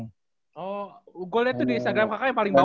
oh gue lihat tuh di instagram kakak yang paling bawah